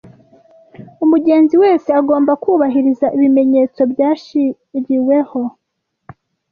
Umugenzi wese agomba kubahiriza ibimenyetso byashyiriweho